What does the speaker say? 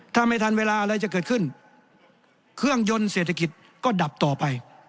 ถ้าไม่ทันเวลาอะไรจะเกิดขึ้นเครื่องยนต์เศรษฐกิจก็ดับต่อไป